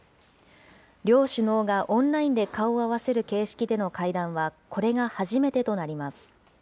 両首脳がオンラインで顔を合わせる形式での会談は、これが初めてとなります。